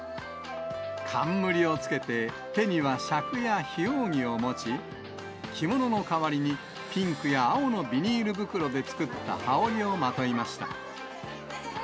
冠をつけて、手にはしゃくやひ扇を持ち、着物の代わりに、ピンクや青のビニール袋で作った羽織をまといました。